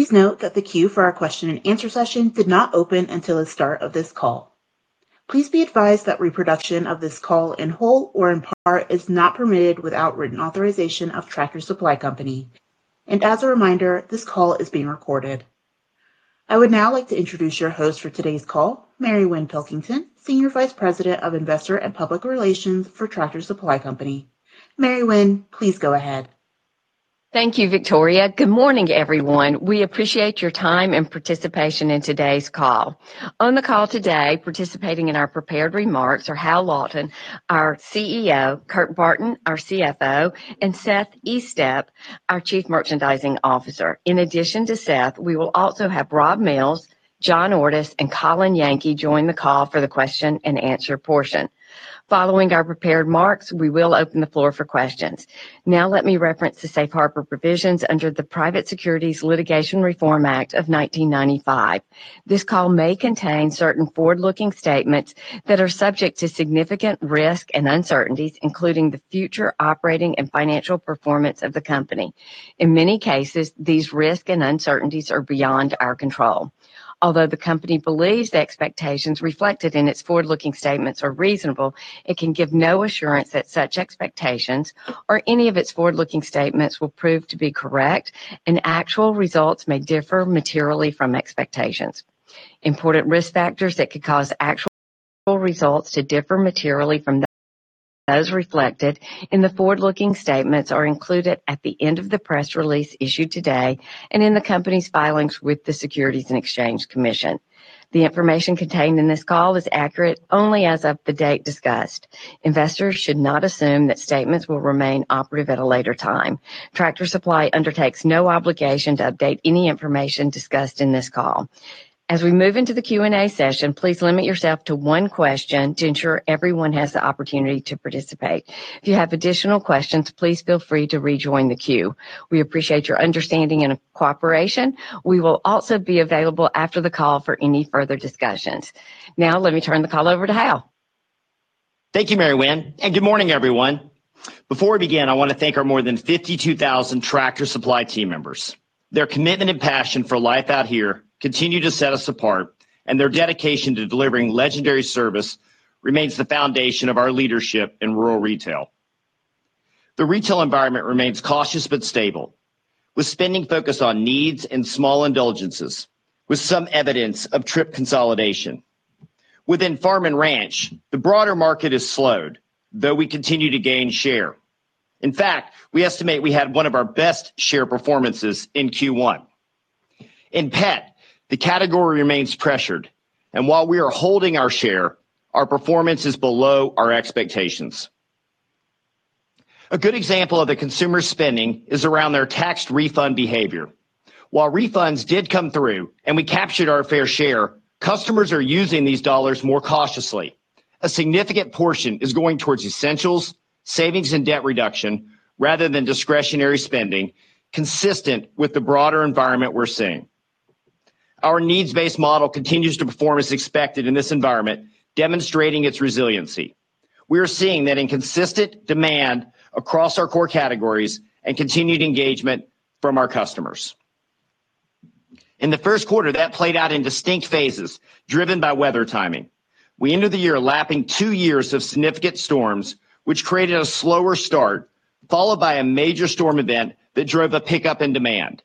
Please note that the queue for our question and answer session did not open until the start of this call. Please be advised that reproduction of this call in whole or in part is not permitted without written authorization of Tractor Supply Company. As a reminder, this call is being recorded. I would now like to introduce your host for today's call, Mary Winn Pilkington, Senior Vice President of Investor and Public Relations for Tractor Supply Company. Mary Winn, please go ahead. Thank you, Victoria. Good morning, everyone. We appreciate your time and participation in today's call. On the call today, participating in our prepared remarks are Hal Lawton, our CEO, Kurt Barton, our CFO, and Seth Estep, our Chief Merchandising Officer. In addition to Seth, we will also have Rob Mills, John Ordus, and Colin Yankee join the call for the question and answer portion. Following our prepared remarks, we will open the floor for questions. Now let me reference the safe harbor provisions under the Private Securities Litigation Reform Act of 1995. This call may contain certain forward-looking statements that are subject to significant risk and uncertainties, including the future operating and financial performance of the company. In many cases, these risks and uncertainties are beyond our control. Although the company believes the expectations reflected in its forward-looking statements are reasonable, it can give no assurance that such expectations or any of its forward-looking statements will prove to be correct, and actual results may differ materially from expectations. Important risk factors that could cause actual results to differ materially from those reflected in the forward-looking statements are included at the end of the press release issued today and in the company's filings with the Securities and Exchange Commission. The information contained in this call is accurate only as of the date discussed. Investors should not assume that statements will remain operative at a later time. Tractor Supply undertakes no obligation to update any information discussed in this call. As we move into the Q&A session, please limit yourself to one question to ensure everyone has the opportunity to participate. If you have additional questions, please feel free to rejoin the queue. We appreciate your understanding and cooperation. We will also be available after the call for any further discussions. Now, let me turn the call over to Hal. Thank you, Mary Winn, and good morning, everyone. Before we begin, I want to thank our more than 52,000 Tractor Supply team members. Their commitment and passion for life out here continue to set us apart, and their dedication to delivering legendary service remains the foundation of our leadership in rural retail. The retail environment remains cautious but stable, with spending focused on needs and small indulgences, with some evidence of trip consolidation. Within farm and ranch, the broader market has slowed, though we continue to gain share. In fact, we estimate we had one of our best share performances in Q1. In pet, the category remains pressured, and while we are holding our share, our performance is below our expectations. A good example of the consumer spending is around their tax refund behavior. While refunds did come through and we captured our fair share, customers are using these dollars more cautiously. A significant portion is going towards essentials, savings, and debt reduction rather than discretionary spending, consistent with the broader environment we're seeing. Our needs-based model continues to perform as expected in this environment, demonstrating its resiliency. We are seeing that in consistent demand across our core categories and continued engagement from our customers. In the first quarter, that played out in distinct phases driven by weather timing. We ended the year lapping two years of significant storms, which created a slower start, followed by a major storm event that drove a pickup in demand.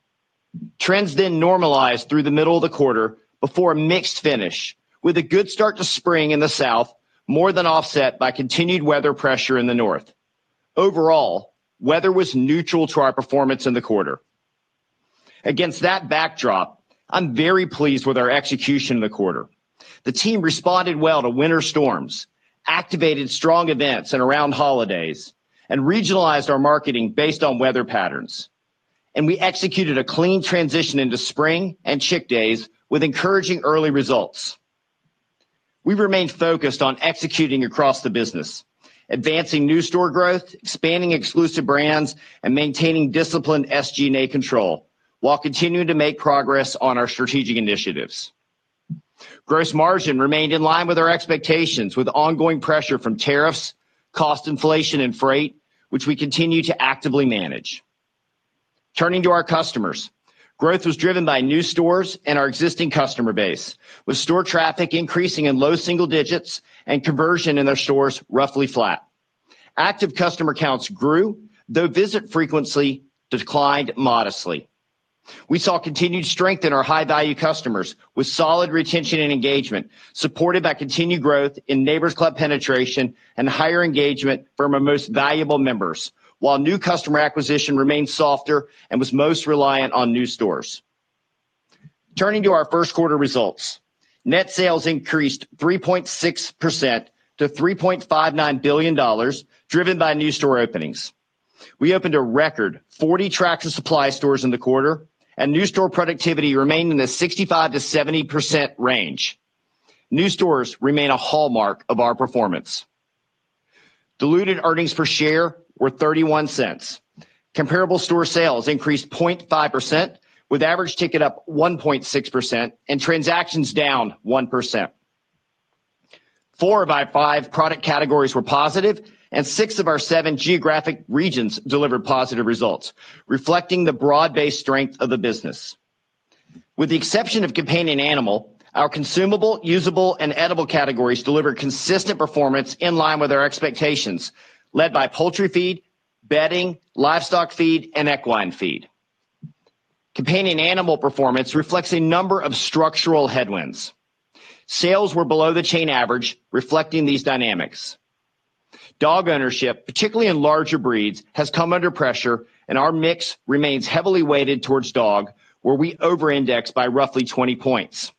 Trends then normalized through the middle of the quarter before a mixed finish, with a good start to spring in the South more than offset by continued weather pressure in the North. Overall, weather was neutral to our performance in the quarter. Against that backdrop, I'm very pleased with our execution in the quarter. The team responded well to winter storms, activated strong events and around holidays, and regionalized our marketing based on weather patterns. We executed a clean transition into spring and Chick Days with encouraging early results. We remained focused on executing across the business, advancing new store growth, expanding exclusive brands, and maintaining disciplined SG&A control while continuing to make progress on our strategic initiatives. Gross margin remained in line with our expectations, with ongoing pressure from tariffs, cost inflation, and freight, which we continue to actively manage. Turning to our customers. Growth was driven by new stores and our existing customer base, with store traffic increasing in low single digits and conversion in their stores roughly flat. Active customer counts grew, though visit frequency declined modestly. We saw continued strength in our high-value customers, with solid retention and engagement supported by continued growth in Neighbor's Club penetration and higher engagement from our most valuable members, while new customer acquisition remained softer and was most reliant on new stores. Turning to our first quarter results. Net sales increased 3.6% to $3.59 billion, driven by new store openings. We opened a record 40 Tractor Supply stores in the quarter, and new store productivity remained in the 65%-70% range. New stores remain a hallmark of our performance. Diluted earnings per share were $0.31. Comparable store sales increased 0.5%, with average ticket up 1.6% and transactions down 1%. Four of our five product categories were positive, and six of our seven geographic regions delivered positive results, reflecting the broad-based strength of the business. With the exception of companion animal, our consumable, usable, and edible categories delivered consistent performance in line with our expectations, led by poultry feed, bedding, livestock feed, and equine feed. Companion animal performance reflects a number of structural headwinds. Sales were below the chain average reflecting these dynamics. Dog ownership, particularly in larger breeds, has come under pressure, and our mix remains heavily weighted towards dog, where we over-index by roughly 20 points.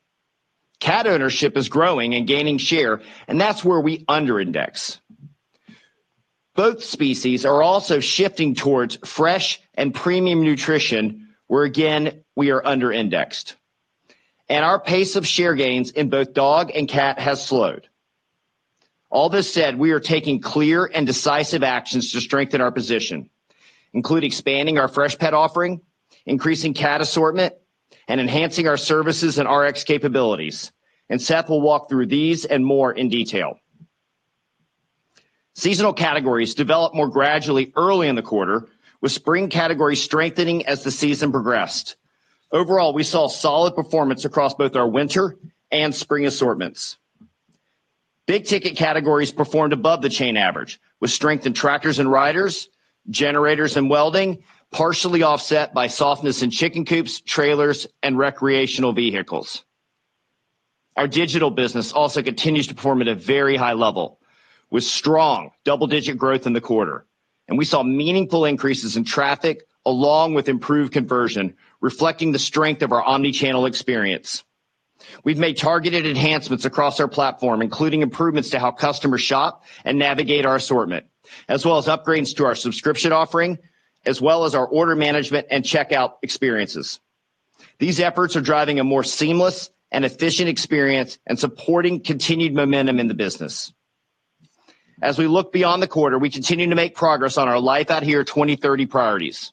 Cat ownership is growing and gaining share, and that's where we under-index. Both species are also shifting towards fresh and premium nutrition, where again, we are under-indexed. Our pace of share gains in both dog and cat has slowed. All this said, we are taking clear and decisive actions to strengthen our position, including expanding our fresh pet offering, increasing cat assortment, and enhancing our services and Rx capabilities. Seth will walk through these and more in detail. Seasonal categories developed more gradually early in the quarter, with spring categories strengthening as the season progressed. Overall, we saw solid performance across both our winter and spring assortments. Big ticket categories performed above the chain average with strength in tractors and riders, generators and welding, partially offset by softness in chicken coops, trailers, and recreational vehicles. Our digital business also continues to perform at a very high level with strong double-digit growth in the quarter. We saw meaningful increases in traffic along with improved conversion, reflecting the strength of our omni-channel experience. We've made targeted enhancements across our platform, including improvements to how customers shop and navigate our assortment, as well as upgrades to our subscription offering, as well as our order management and checkout experiences. These efforts are driving a more seamless and efficient experience and supporting continued momentum in the business. As we look beyond the quarter, we continue to make progress on our Life Out Here 2030 priorities.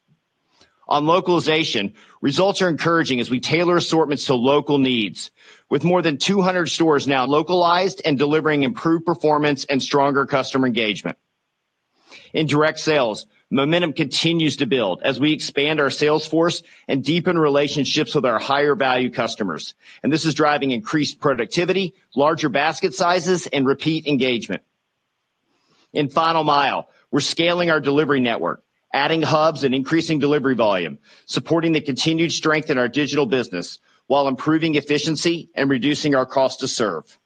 On localization, results are encouraging as we tailor assortments to local needs, with more than 200 stores now localized and delivering improved performance and stronger customer engagement. In direct sales, momentum continues to build as we expand our sales force and deepen relationships with our higher value customers. This is driving increased productivity, larger basket sizes, and repeat engagement. In Final Mile, we're scaling our delivery network, adding hubs, and increasing delivery volume, supporting the continued strength in our digital business while improving efficiency and reducing our cost to serve.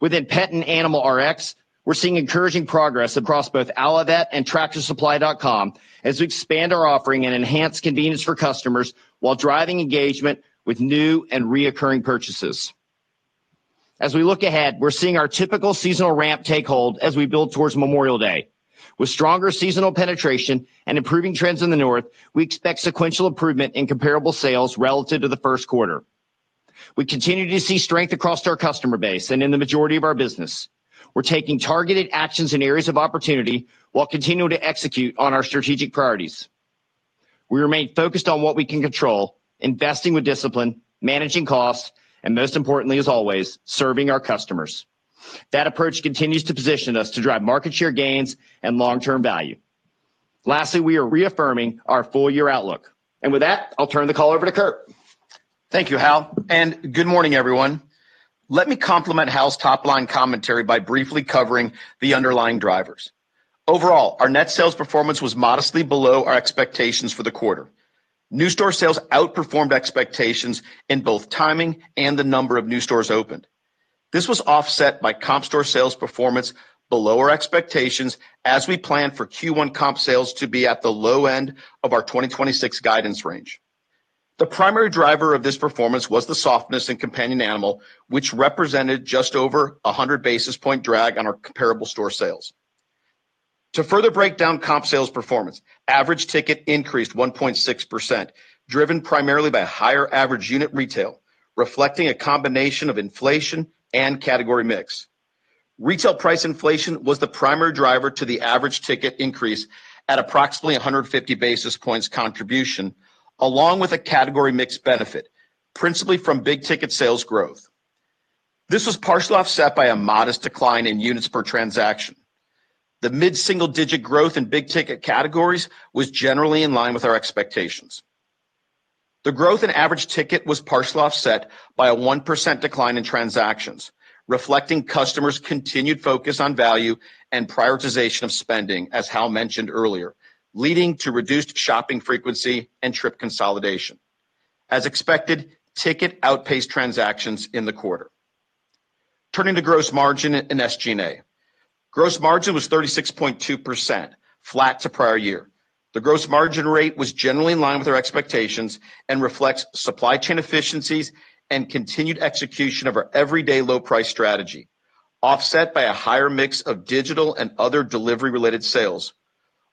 Within Pet and Animal Rx, we're seeing encouraging progress across both Allivet and tractorsupply.com as we expand our offering and enhance convenience for customers while driving engagement with new and recurring purchases. As we look ahead, we're seeing our typical seasonal ramp take hold as we build towards Memorial Day. With stronger seasonal penetration and improving trends in the north, we expect sequential improvement in comparable sales relative to the first quarter. We continue to see strength across our customer base and in the majority of our business. We're taking targeted actions in areas of opportunity while continuing to execute on our strategic priorities. We remain focused on what we can control, investing with discipline, managing costs, and most importantly, as always, serving our customers. That approach continues to position us to drive market share gains and long-term value. Lastly, we are reaffirming our full year outlook. With that, I'll turn the call over to Kurt. Thank you, Hal, and good morning, everyone. Let me complement Hal's top-line commentary by briefly covering the underlying drivers. Overall, our net sales performance was modestly below our expectations for the quarter. New store sales outperformed expectations in both timing and the number of new stores opened. This was offset by comp store sales performance below our expectations as we plan for Q1 comp sales to be at the low end of our 2026 guidance range. The primary driver of this performance was the softness in companion animal, which represented just over 100 basis points drag on our comparable store sales. To further break down comp sales performance, average ticket increased 1.6%, driven primarily by higher average unit retail, reflecting a combination of inflation and category mix. Retail price inflation was the primary driver to the average ticket increase at approximately 150 basis points contribution, along with a category mix benefit, principally from big ticket sales growth. This was partially offset by a modest decline in units per transaction. The mid-single digit growth in big ticket categories was generally in line with our expectations. The growth in average ticket was partially offset by a 1% decline in transactions, reflecting customers' continued focus on value and prioritization of spending, as Hal mentioned earlier, leading to reduced shopping frequency and trip consolidation. As expected, ticket outpaced transactions in the quarter. Turning to gross margin and SG&A. Gross margin was 36.2%, flat to prior year. The gross margin rate was generally in line with our expectations and reflects supply chain efficiencies and continued execution of our everyday low price strategy, offset by a higher mix of digital and other delivery-related sales,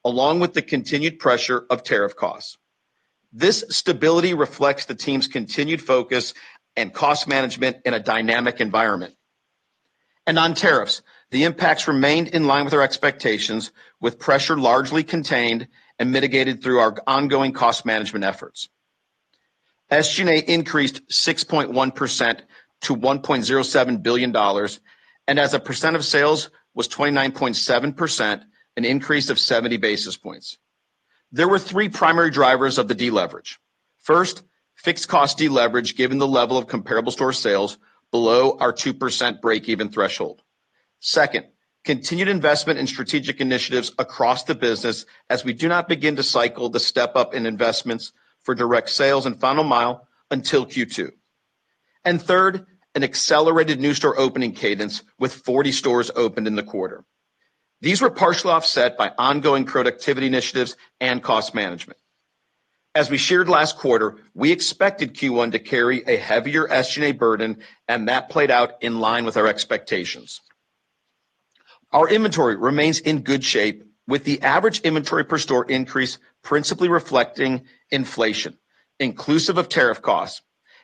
along with the continued pressure of tariff costs. This stability reflects the team's continued focus and cost management in a dynamic environment. On tariffs, the impacts remained in line with our expectations, with pressure largely contained and mitigated through our ongoing cost management efforts. SG&A increased 6.1% to $1.07 billion and as a percent of sales was 29.7%, an increase of 70 basis points. There were three primary drivers of the deleverage. First, fixed cost deleverage, given the level of comparable store sales below our 2% break even threshold. Second, continued investment in strategic initiatives across the business, as we do not begin to cycle the step-up in investments for direct sales and Final Mile until Q2. Third, an accelerated new store opening cadence with 40 stores opened in the quarter. These were partially offset by ongoing productivity initiatives and cost management. As we shared last quarter, we expected Q1 to carry a heavier SG&A burden, and that played out in line with our expectations. Our inventory remains in good shape with the average inventory per store increase principally reflecting inflation, inclusive of tariff costs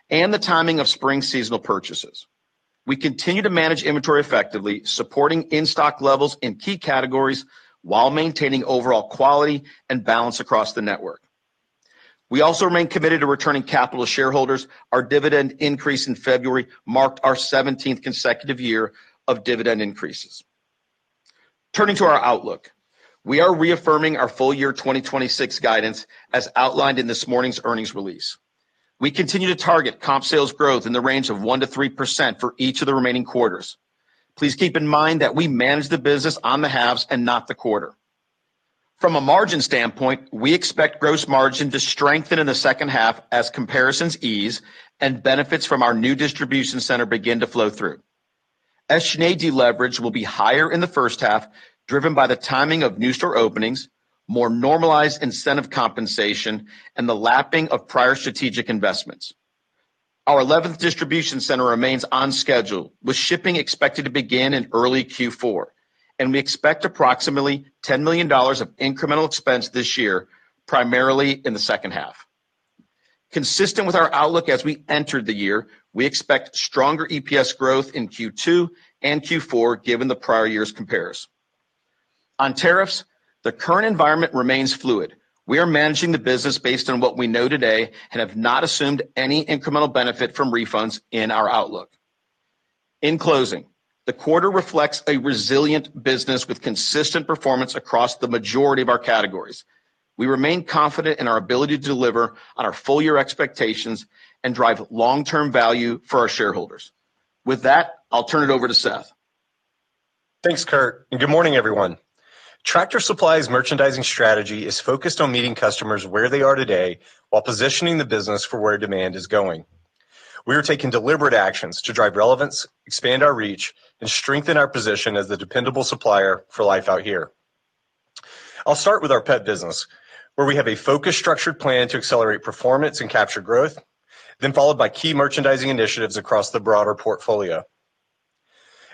and the timing of spring seasonal purchases. We continue to manage inventory effectively, supporting in-stock levels in key categories while maintaining overall quality and balance across the network. We also remain committed to returning capital to shareholders. Our dividend increase in February marked our 17th consecutive year of dividend increases. Turning to our outlook. We are reaffirming our full year 2026 guidance as outlined in this morning's earnings release. We continue to target comp sales growth in the range of 1%-3% for each of the remaining quarters. Please keep in mind that we manage the business on the halves and not the quarter. From a margin standpoint, we expect gross margin to strengthen in the second half as comparisons ease and benefits from our new distribution center begin to flow through. SG&A deleverage will be higher in the first half, driven by the timing of new store openings, more normalized incentive compensation, and the lapping of prior strategic investments. Our 11th distribution center remains on schedule, with shipping expected to begin in early Q4, and we expect approximately $10 million of incremental expense this year, primarily in the second half. Consistent with our outlook as we entered the year, we expect stronger EPS growth in Q2 and Q4 given the prior year's compares. On tariffs, the current environment remains fluid. We are managing the business based on what we know today and have not assumed any incremental benefit from refunds in our outlook. In closing, the quarter reflects a resilient business with consistent performance across the majority of our categories. We remain confident in our ability to deliver on our full year expectations and drive long-term value for our shareholders. With that, I'll turn it over to Seth. Thanks, Kurt, and good morning, everyone. Tractor Supply's merchandising strategy is focused on meeting customers where they are today while positioning the business for where demand is going. We are taking deliberate actions to drive relevance, expand our reach, and strengthen our position as the dependable supplier for life out here. I'll start with our pet business, where we have a focused, structured plan to accelerate performance and capture growth, then followed by key merchandising initiatives across the broader portfolio.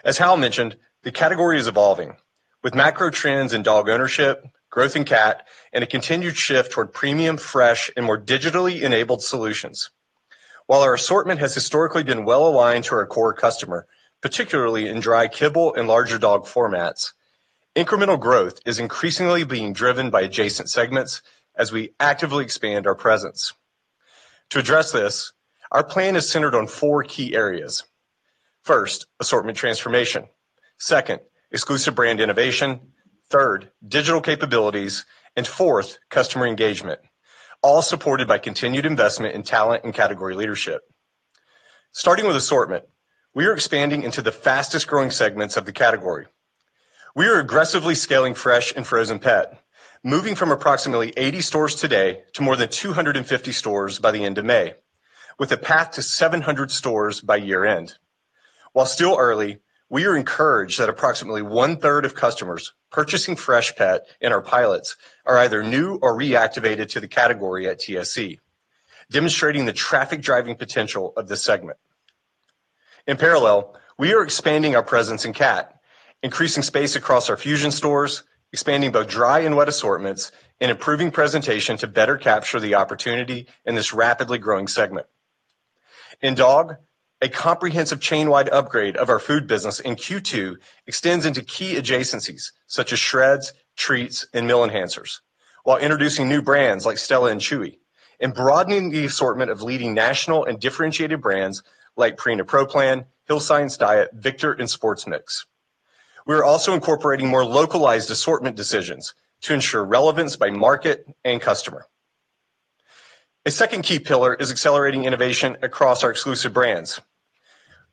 As Hal mentioned, the category is evolving with macro trends in dog ownership, growth in cat, and a continued shift toward premium, fresh, and more digitally enabled solutions. While our assortment has historically been well aligned to our core customer, particularly in dry kibble and larger dog formats, incremental growth is increasingly being driven by adjacent segments as we actively expand our presence. To address this, our plan is centered on 4 key areas. First, assortment transformation. Second, exclusive brand innovation. Third, digital capabilities, and fourth, customer engagement, all supported by continued investment in talent and category leadership. Starting with assortment, we are expanding into the fastest-growing segments of the category. We are aggressively scaling fresh and frozen pet, moving from approximately 80 stores today to more than 250 stores by the end of May, with a path to 700 stores by year-end. While still early, we are encouraged that approximately one-third of customers purchasing fresh pet in our pilots are either new or reactivated to the category at TSC, demonstrating the traffic-driving potential of this segment. In parallel, we are expanding our presence in cat, increasing space across our fusion stores, expanding both dry and wet assortments, and improving presentation to better capture the opportunity in this rapidly growing segment. In dog food, a comprehensive chain-wide upgrade of our food business in Q2 extends into key adjacencies such as shreds, treats, and meal enhancers, while introducing new brands like Stella & Chewy's and broadening the assortment of leading national and differentiated brands like Purina Pro Plan, Hill's Science Diet, Victor, and SPORTMiX. We are also incorporating more localized assortment decisions to ensure relevance by market and customer. A second key pillar is accelerating innovation across our exclusive brands.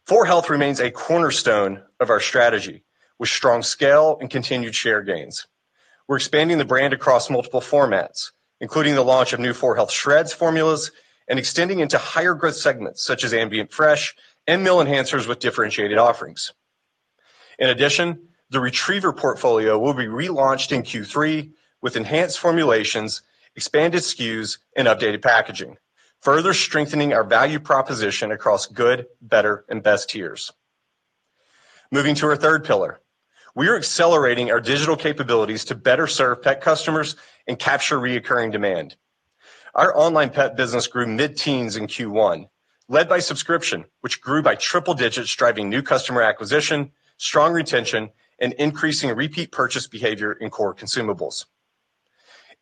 4health remains a cornerstone of our strategy with strong scale and continued share gains. We're expanding the brand across multiple formats, including the launch of new 4health Shreds formulas and extending into higher growth segments such as ambient, fresh, and meal enhancers with differentiated offerings. In addition, the Retriever portfolio will be relaunched in Q3 with enhanced formulations, expanded SKUs, and updated packaging, further strengthening our value proposition across good, better, and best tiers. Moving to our third pillar, we are accelerating our digital capabilities to better serve pet customers and capture recurring demand. Our online pet business grew mid-teens in Q1, led by subscription, which grew by triple digits, driving new customer acquisition, strong retention, and increasing repeat purchase behavior in core consumables.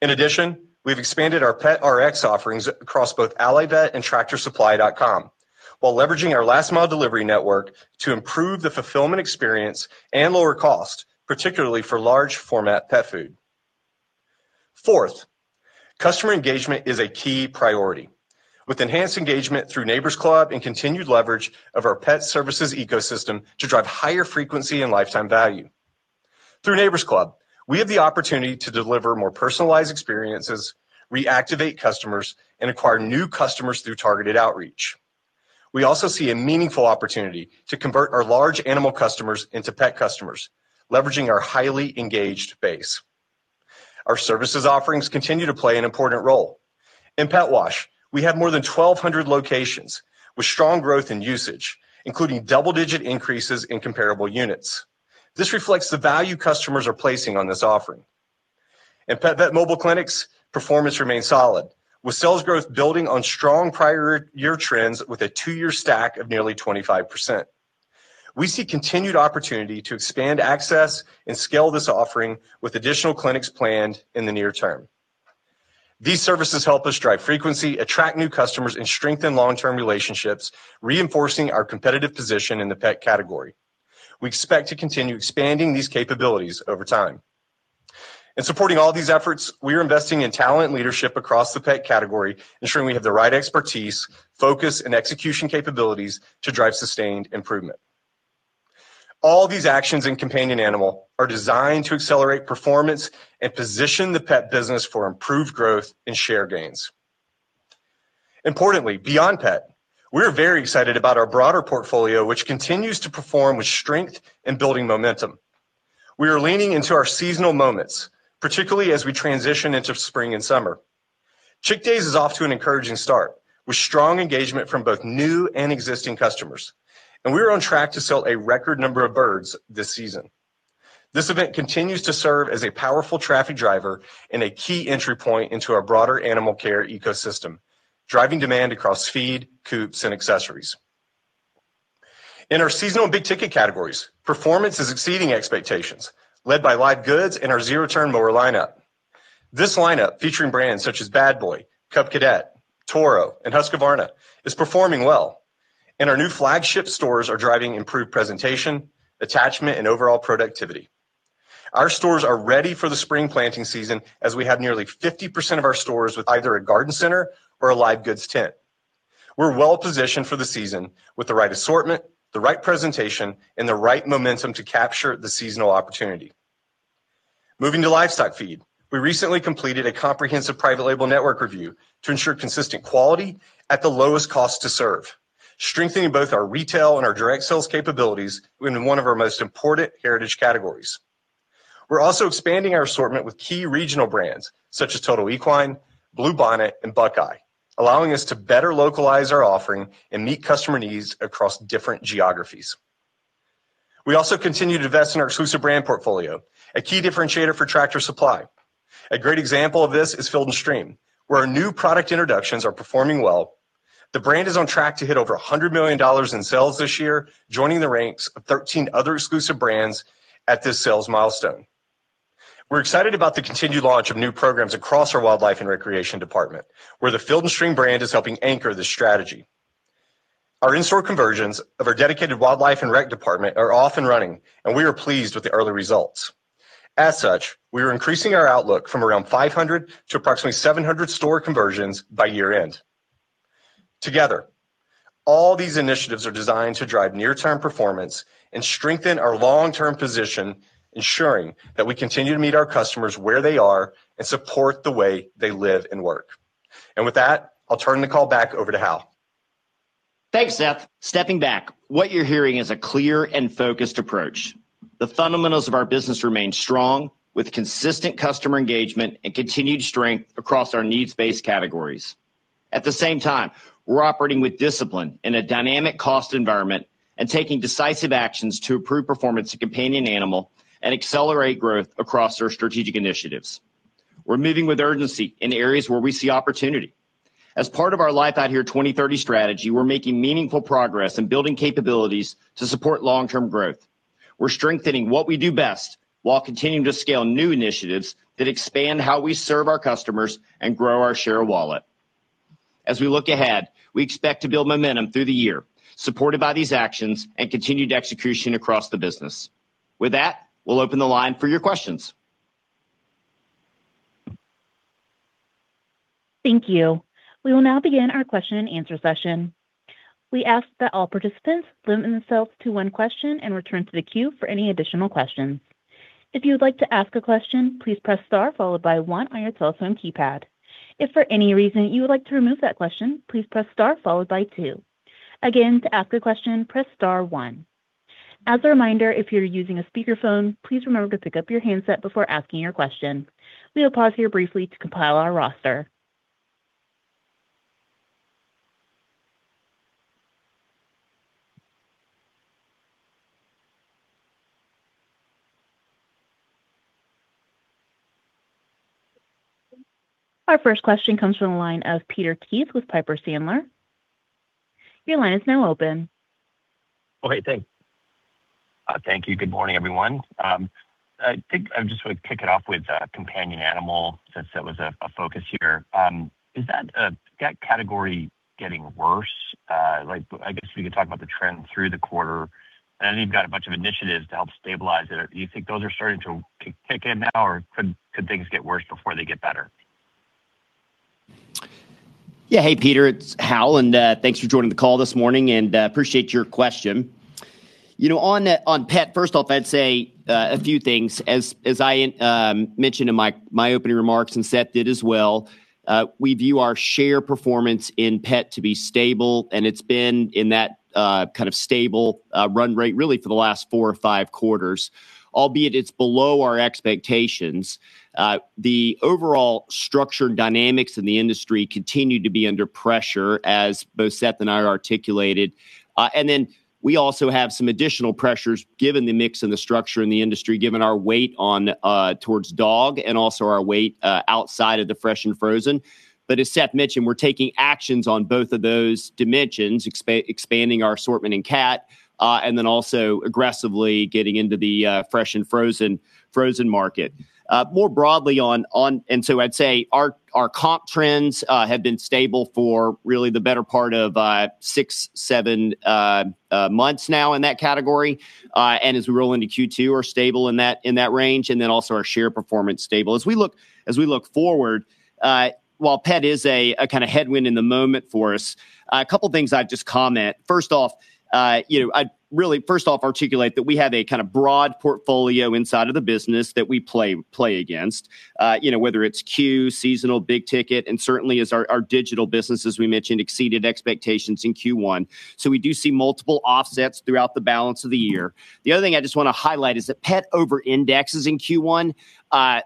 In addition, we've expanded our Pet Rx offerings across both Allivet and tractorsupply.com while leveraging our last mile delivery network to improve the fulfillment experience and lower cost, particularly for large format pet food. Fourth, customer engagement is a key priority with enhanced engagement through Neighbor's Club and continued leverage of our pet services ecosystem to drive higher frequency and lifetime value. Through Neighbor's Club, we have the opportunity to deliver more personalized experiences, reactivate customers, and acquire new customers through targeted outreach. We also see a meaningful opportunity to convert our large animal customers into pet customers, leveraging our highly engaged base. Our services offerings continue to play an important role. In Pet Wash, we have more than 1,200 locations with strong growth in usage, including double-digit increases in comparable units. This reflects the value customers are placing on this offering. In PetVet Mobile Clinics, performance remains solid, with sales growth building on strong prior year trends with a two-year stack of nearly 25%. We see continued opportunity to expand access and scale this offering with additional clinics planned in the near term. These services help us drive frequency, attract new customers, and strengthen long-term relationships, reinforcing our competitive position in the pet category. We expect to continue expanding these capabilities over time. In supporting all these efforts, we are investing in talent leadership across the pet category, ensuring we have the right expertise, focus, and execution capabilities to drive sustained improvement. All these actions in companion animal are designed to accelerate performance and position the pet business for improved growth and share gains. Importantly, beyond pet, we're very excited about our broader portfolio, which continues to perform with strength and building momentum. We are leaning into our seasonal moments, particularly as we transition into spring and summer. Chick Days is off to an encouraging start, with strong engagement from both new and existing customers, and we are on track to sell a record number of birds this season. This event continues to serve as a powerful traffic driver and a key entry point into our broader animal care ecosystem, driving demand across feed, coops, and accessories. In our seasonal big ticket categories, performance is exceeding expectations, led by live goods and our zero-turn mower lineup. This lineup, featuring brands such as Bad Boy, Cub Cadet, Toro, and Husqvarna, is performing well, and our new flagship stores are driving improved presentation, attachment, and overall productivity. Our stores are ready for the spring planting season, as we have nearly 50% of our stores with either a garden center or a live goods tent. We're well positioned for the season with the right assortment, the right presentation, and the right momentum to capture the seasonal opportunity. Moving to livestock feed. We recently completed a comprehensive private label network review to ensure consistent quality at the lowest cost to serve, strengthening both our retail and our direct sales capabilities in one of our most important heritage categories. We're also expanding our assortment with key regional brands such as Total Equine, Bluebonnet, and Buckeye, allowing us to better localize our offering and meet customer needs across different geographies. We also continue to invest in our exclusive brand portfolio, a key differentiator for Tractor Supply. A great example of this is Field & Stream, where our new product introductions are performing well. The brand is on track to hit over $100 million in sales this year, joining the ranks of 13 other exclusive brands at this sales milestone. We're excited about the continued launch of new programs across our wildlife and recreation department, where the Field & Stream brand is helping anchor this strategy. Our in-store conversions of our dedicated wildlife and rec department are off and running, and we are pleased with the early results. As such, we are increasing our outlook from around 500 to approximately 700 store conversions by year-end. Together, all these initiatives are designed to drive near-term performance and strengthen our long-term position, ensuring that we continue to meet our customers where they are and support the way they live and work. With that, I'll turn the call back over to Hal. Thanks, Seth. Stepping back, what you're hearing is a clear and focused approach. The fundamentals of our business remain strong, with consistent customer engagement and continued strength across our needs-based categories. At the same time, we're operating with discipline in a dynamic cost environment and taking decisive actions to improve performance in companion animal and accelerate growth across our strategic initiatives. We're moving with urgency in areas where we see opportunity. As part of our Life Out Here 2030 strategy, we're making meaningful progress in building capabilities to support long-term growth. We're strengthening what we do best while continuing to scale new initiatives that expand how we serve our customers and grow our share of wallet. As we look ahead, we expect to build momentum through the year, supported by these actions and continued execution across the business. With that, we'll open the line for your questions. Thank you. We will now begin our question and answer session. We ask that all participants limit themselves to one question and return to the queue for any additional questions. If you would like to ask a question, please press star followed by one on your telephone keypad. If for any reason you would like to remove that question, please press star followed by two. Again, to ask a question, press star one. As a reminder, if you're using a speakerphone, please remember to pick up your handset before asking your question. We will pause here briefly to compile our roster. Our first question comes from the line of Peter Keith with Piper Sandler. Your line is now open. Oh, hey. Thanks. Thank you. Good morning, everyone. I think I'd just pick it off with companion animal, since that was a focus here. Is that category getting worse? I guess we could talk about the trend through the quarter, and I know you've got a bunch of initiatives to help stabilize it. Do you think those are starting to kick in now, or could things get worse before they get better? Yeah. Hey, Peter, it's Hal, and thanks for joining the call this morning, and I appreciate your question. On pet, first off, I'd say a few things. As I mentioned in my opening remarks, and Seth did as well, we view our share performance in pet to be stable, and it's been in that kind of stable run rate really for the last four or five quarters, albeit it's below our expectations. The overall structure and dynamics in the industry continue to be under pressure, as both Seth and I articulated. Then we also have some additional pressures given the mix and the structure in the industry, given our weight towards dog and also our weight outside of the fresh and frozen. As Seth mentioned, we're taking actions on both of those dimensions, expanding our assortment in cat, and then also aggressively getting into the fresh and frozen market. More broadly, I'd say our comp trends have been stable for really the better part of six, seven months now in that category. As we roll into Q2 are stable in that range, and then also our share performance stable. As we look forward, while pet is a kind of headwind in the moment for us, a couple of things I'd just comment. First off, I'd really articulate that we have a kind of broad portfolio inside of the business that we play against. Whether it's CUE, seasonal, big ticket, and certainly as our digital business, as we mentioned, exceeded expectations in Q1. We do see multiple offsets throughout the balance of the year. The other thing I just want to highlight is that pet overindexes in Q1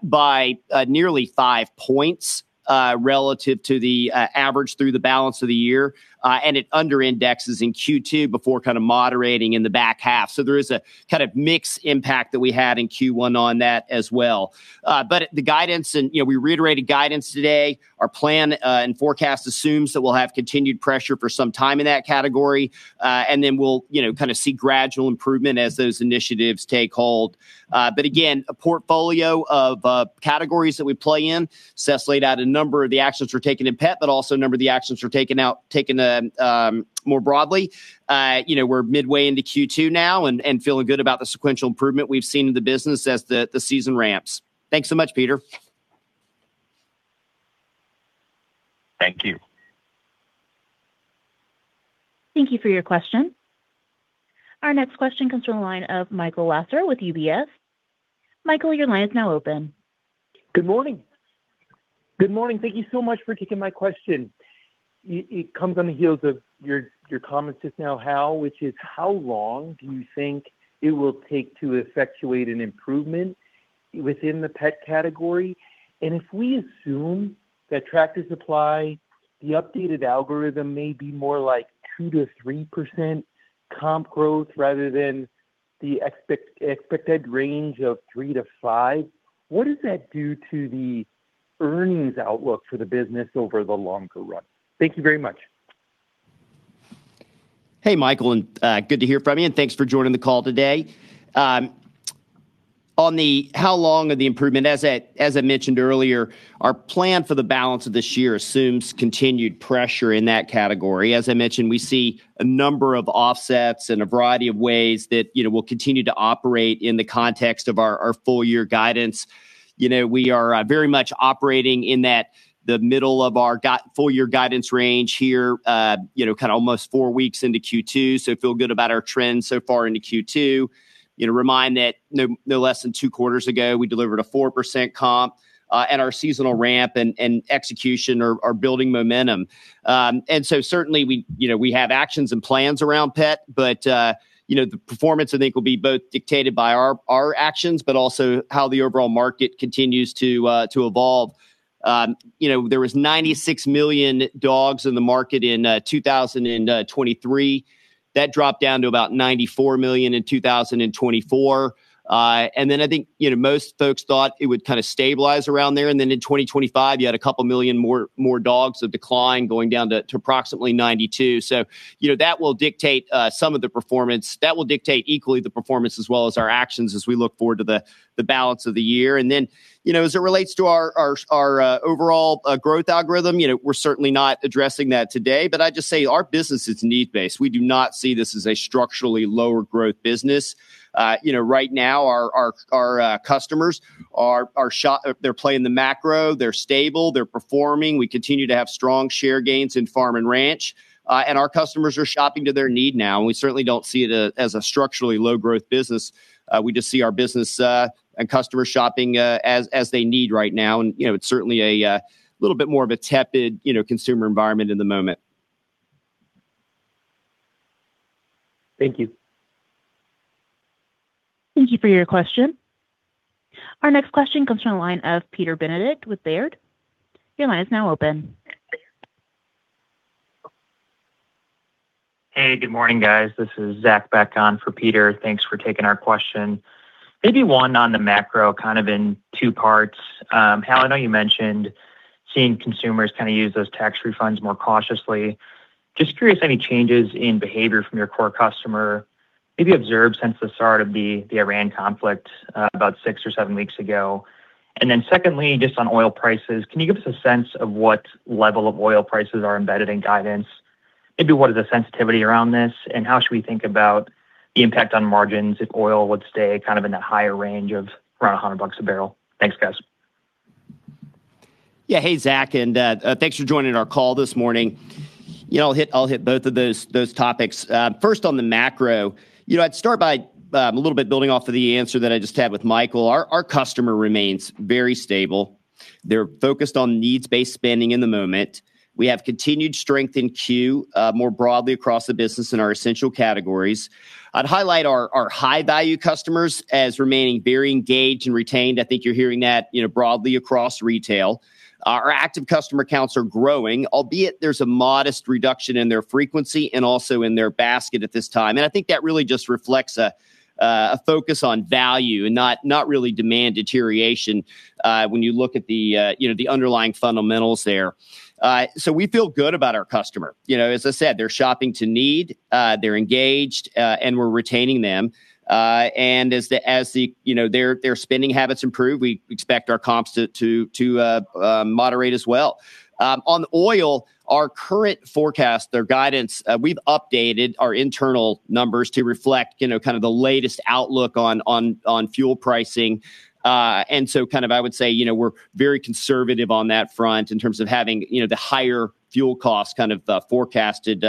by nearly five points relative to the average through the balance of the year. It underindexes in Q2 before kind of moderating in the back half. There is a kind of mixed impact that we had in Q1 on that as well. The guidance. We reiterated guidance today. Our plan and forecast assumes that we'll have continued pressure for some time in that category. Then we'll kind of see gradual improvement as those initiatives take hold. Again, a portfolio of categories that we play in. Seth laid out a number of the actions we're taking in pet, but also a number of the actions we're taking more broadly. We're midway into Q2 now and feeling good about the sequential improvement we've seen in the business as the season ramps. Thanks so much, Peter. Thank you. Thank you for your question. Our next question comes from the line of Michael Lasser with UBS. Michael, your line is now open. Good morning. Good morning. Thank you so much for taking my question. It comes on the heels of your comments just now, Hal, which is, how long do you think it will take to effectuate an improvement within the pet category? If we assume that Tractor Supply, the updated algorithm may be more like 2%-3% comp growth rather than the expected range of 3%-5%, what does that do to the earnings outlook for the business over the longer run? Thank you very much. Hey, Michael, and good to hear from you, and thanks for joining the call today. On the how long of the improvement, as I mentioned earlier, our plan for the balance of this year assumes continued pressure in that category. As I mentioned, we see a number of offsets and a variety of ways that we'll continue to operate in the context of our full-year guidance. We are very much operating in the middle of our full-year guidance range here, kind of almost four weeks into Q2. Feel good about our trends so far into Q2. Remember that no less than two quarters ago, we delivered a 4% comp, and our seasonal ramp and execution are building momentum. Certainly, we have actions and plans around pet, but the performance I think will be both dictated by our actions, but also how the overall market continues to evolve. There was 96 million dogs in the market in 2023. That dropped down to about 94 million in 2024. I think most folks thought it would kind of stabilize around there, and then in 2025 you had a couple million more dogs, a decline going down to approximately 92. That will dictate some of the performance. That will dictate equally the performance as well as our actions as we look forward to the balance of the year. As it relates to our overall growth algorithm, we're certainly not addressing that today, but I'd just say our business is need-based. We do not see this as a structurally lower growth business. Right now, our customers, they're playing the macro. They're stable. They're performing. We continue to have strong share gains in farm and ranch. Our customers are shopping to their needs now, and we certainly don't see it as a structurally low growth business. We just see our business and customers shopping as they need right now, and it's certainly a little bit more of a tepid consumer environment in the moment. Thank you. Thank you for your question. Our next question comes from the line of Peter Benedict with Baird. Your line is now open. Hey, good morning, guys. This is Zach back on for Peter. Thanks for taking our question. Maybe one on the macro, kind of in two parts. Hal, I know you mentioned seeing consumers kind of use those tax refunds more cautiously. Just curious, any changes in behavior from your core customer maybe observed since the start of the Iran conflict about six or seven weeks ago? And then secondly, just on oil prices, can you give us a sense of what level of oil prices are embedded in guidance? Maybe what is the sensitivity around this, and how should we think about the impact on margins if oil would stay kind of in that higher range of around $100 a barrel? Thanks, guys. Yeah. Hey, Zach, and thanks for joining our call this morning. I'll hit both of those topics. First on the macro, I'd start by a little bit building off of the answer that I just had with Michael. Our customer remains very stable. They're focused on needs-based spending in the moment. We have continued strength in CUE more broadly across the business in our essential categories. I'd highlight our high-value customers as remaining very engaged and retained. I think you're hearing that broadly across retail. Our active customer counts are growing, albeit there's a modest reduction in their frequency and also in their basket at this time. I think that really just reflects a focus on value and not really demand deterioration when you look at the underlying fundamentals there. We feel good about our customer. As I said, they're shopping to need. They're engaged, and we're retaining them. As their spending habits improve, we expect our comps to moderate as well. On oil, our current forecast, their guidance, we've updated our internal numbers to reflect kind of the latest outlook on fuel pricing. I would say we're very conservative on that front in terms of having the higher fuel costs kind of forecasted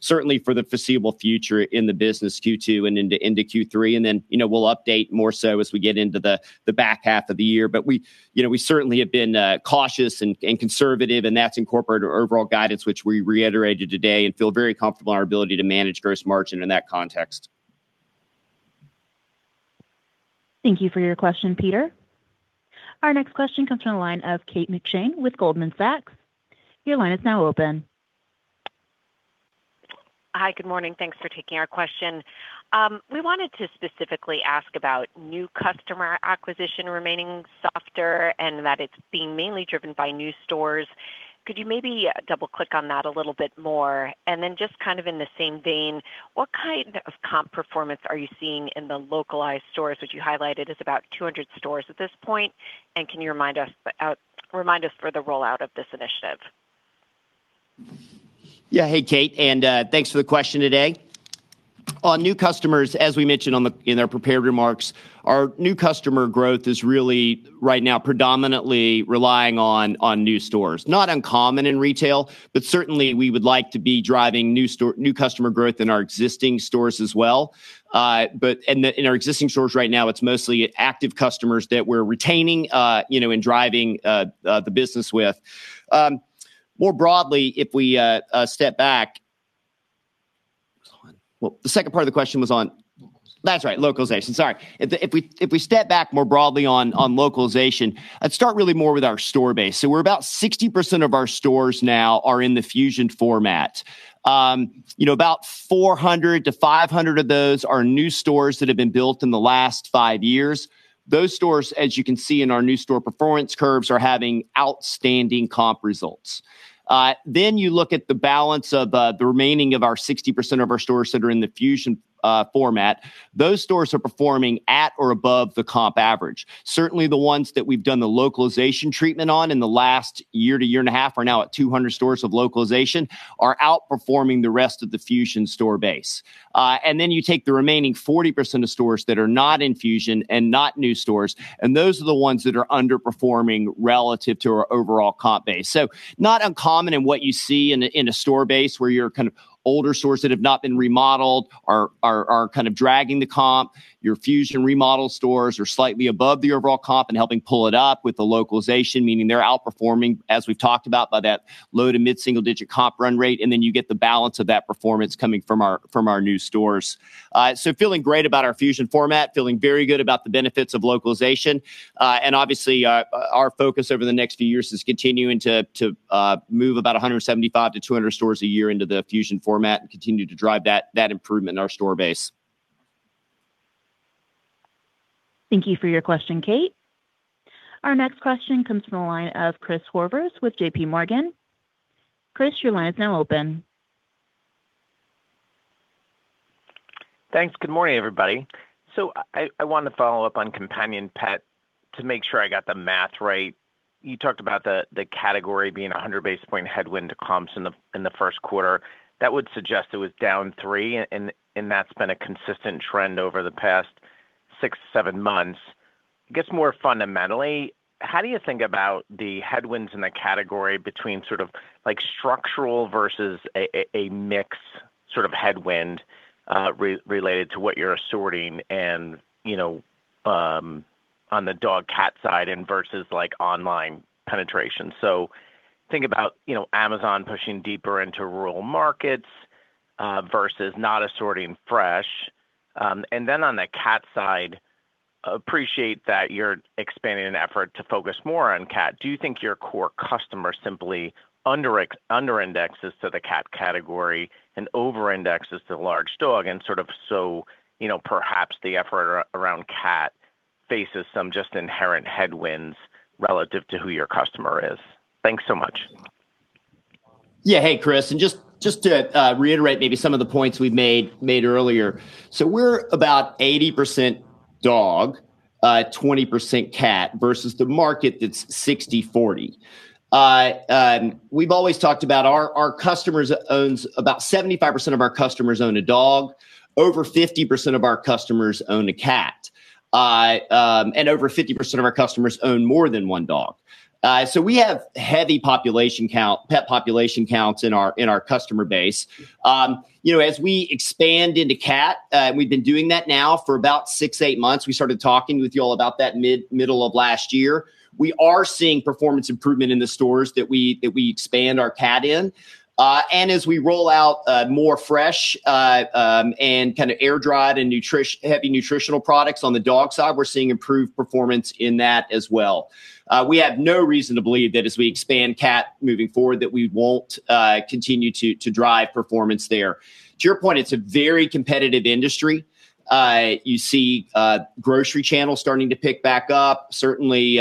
certainly for the foreseeable future in the business Q2 and into Q3. Then we'll update more so as we get into the back half of the year. We certainly have been cautious and conservative, and that's incorporated our overall guidance, which we reiterated today and feel very comfortable in our ability to manage gross margin in that context. Thank you for your question, Peter. Our next question comes from the line of Kate McShane with Goldman Sachs. Your line is now open. Hi. Good morning. Thanks for taking our question. We wanted to specifically ask about new customer acquisition remaining softer and that it's being mainly driven by new stores. Could you maybe double-click on that a little bit more? Just kind of in the same vein, what kind of comp performance are you seeing in the localized stores, which you highlighted is about 200 stores at this point, and can you remind us for the rollout of this initiative? Hey, Kate, and thanks for the question today. On new customers, as we mentioned in our prepared remarks, our new customer growth is really right now predominantly relying on new stores. Not uncommon in retail, but certainly we would like to be driving new customer growth in our existing stores as well. In our existing stores right now, it's mostly active customers that we're retaining and driving the business with. More broadly, if we step back. The second part of the question was on- Localizations. That's right, localization. Sorry. If we step back more broadly on localization, I'd start really more with our store base. We're about 60% of our stores now are in the fusion format. About 400-500 of those are new stores that have been built in the last five years. Those stores, as you can see in our new store performance curves, are having outstanding comp results. You look at the balance of the remaining of our 60% of our stores that are in the fusion format. Those stores are performing at or above the comp average. Certainly, the ones that we've done the localization treatment on in the last year to year and a half are now at 200 stores of localization are outperforming the rest of the fusion store base. Then you take the remaining 40% of stores that are not in Fusion and not new stores, and those are the ones that are underperforming relative to our overall comp base. Not uncommon in what you see in a store base where your kind of older stores that have not been remodeled are kind of dragging the comp. Your Fusion remodel stores are slightly above the overall comp and helping pull it up with the localization, meaning they're outperforming, as we've talked about, by that low to mid-single-digit comp run rate, and then you get the balance of that performance coming from our new stores. Feeling great about our Fusion format, feeling very good about the benefits of localization. Obviously, our focus over the next few years is continuing to move about 175-200 stores a year into the Fusion format and continue to drive that improvement in our store base. Thank you for your question, Kate. Our next question comes from the line of Chris Horvers with J.P. Morgan. Chris, your line is now open. Thanks. Good morning, everybody. I want to follow up on companion pet to make sure I got the math right. You talked about the category being 100 basis points headwind comps in the first quarter. That would suggest it was down 3%, and that's been a consistent trend over the past 6, 7 months. I guess more fundamentally, how do you think about the headwinds in the category between sort of structural versus a mix sort of headwind related to what you're assorting and on the dog cat side and versus online penetration? Think about Amazon pushing deeper into rural markets versus not assorting fresh. Then on the cat side, appreciate that you're expanding an effort to focus more on cat. Do you think your core customer simply underindexes to the cat category and overindexes to large dog and sort of so perhaps the effort around cat? faces some just inherent headwinds relative to who your customer is. Thanks so much. Yeah. Hey, Chris. Just to reiterate maybe some of the points we made earlier. We're about 80% dog, 20% cat versus the market that's 60/40. We've always talked about our customers, about 75% of our customers own a dog. Over 50% of our customers own a cat. Over 50% of our customers own more than one dog. We have heavy pet population counts in our customer base. As we expand into cat, and we've been doing that now for about 6-8 months. We started talking with you all about that middle of last year. We are seeing performance improvement in the stores that we expand our cat in. As we roll out more fresh, and kind of air-dried and heavy nutritional products on the dog side, we're seeing improved performance in that as well. We have no reason to believe that as we expand cat moving forward, that we won't continue to drive performance there. To your point, it's a very competitive industry. You see grocery channels starting to pick back up. Certainly,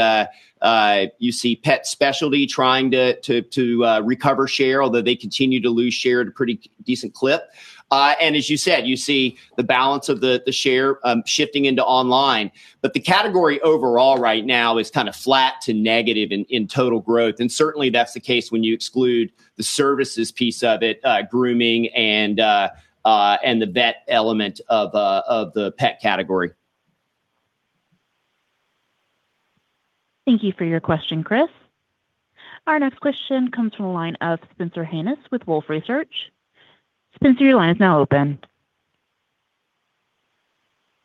you see pet specialty trying to recover share, although they continue to lose share at a pretty decent clip. As you said, you see the balance of the share shifting into online. The category overall right now is kind of flat to negative in total growth. Certainly, that's the case when you exclude the services piece of it, grooming and the vet element of the pet category. Thank you for your question, Chris. Our next question comes from the line of Spencer Hanus with Wolfe Research. Spencer, your line is now open.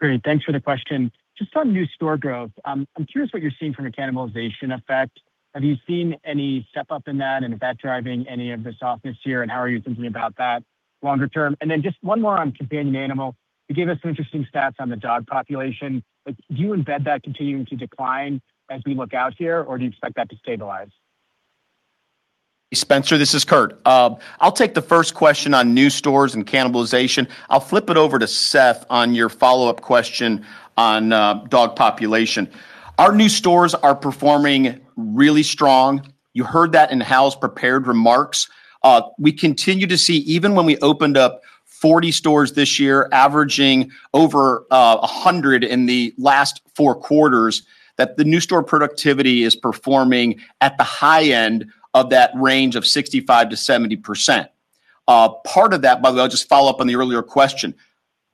Great. Thanks for the question. Just on new store growth, I'm curious what you're seeing from the cannibalization effect. Have you seen any step-up in that and if that's driving any of the softness here, and how are you thinking about that longer term? Just one more on companion animal. You gave us some interesting stats on the dog population, but do you embed that continuing to decline as we look out here, or do you expect that to stabilize? Hey, Spencer. This is Kurt. I'll take the first question on new stores and cannibalization. I'll flip it over to Seth on your follow-up question on dog population. Our new stores are performing really strong. You heard that in Hal's prepared remarks. We continue to see, even when we opened up 40 stores this year, averaging over 100 in the last four quarters, that the new store productivity is performing at the high end of that range of 65%-70%. Part of that, by the way, I'll just follow up on the earlier question.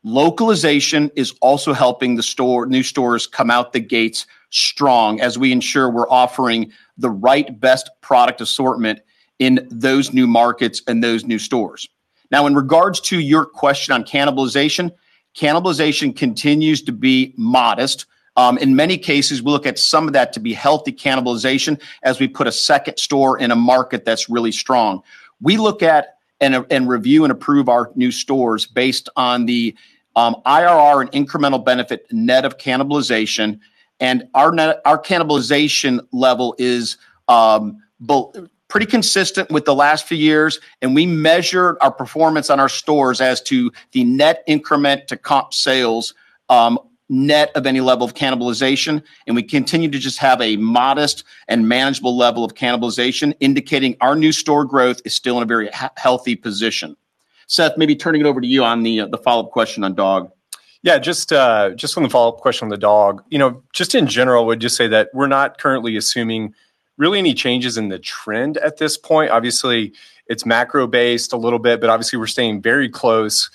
Localization is also helping the new stores come out the gates strong as we ensure we're offering the right, best product assortment in those new markets and those new stores. Now, in regards to your question on cannibalization continues to be modest. In many cases, we look at some of that to be healthy cannibalization as we put a second store in a market that's really strong. We look at and review and approve our new stores based on the IRR and incremental benefit net of cannibalization, and our cannibalization level is pretty consistent with the last few years, and we measure our performance on our stores as to the net increment to comp sales, net of any level of cannibalization, and we continue to just have a modest and manageable level of cannibalization, indicating our new store growth is still in a very healthy position. Seth, maybe turning it over to you on the follow-up question on dog. Yeah, just on the follow-up question on the dog. Just in general, would just say that we're not currently assuming really any changes in the trend at this point. Obviously, it's macro-based a little bit, but obviously, we're staying very close